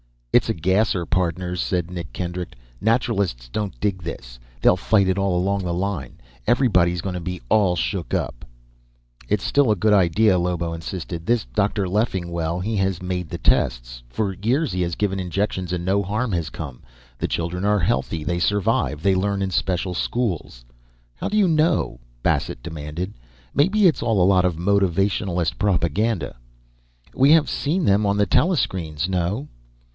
"It's a gasser, pardners," said Nick Kendrick. "Naturalists don't dig this. They'll fight it all along the line. Everybody's gonna be all shook up." "It is still a good idea," Lobo insisted. "This Dr. Leffingwell, he has made the tests. For years he has given injections and no harm has come. The children are healthy, they survive. They learn in special schools " "How do you know?" Bassett demanded. "Maybe it's all a lot of motivationalist propaganda." "We have seen them on the telescreens, no?"